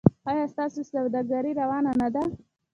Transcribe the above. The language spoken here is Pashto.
ایا ستاسو سوداګري روانه نه ده؟